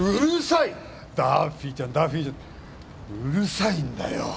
うるさいんだよ。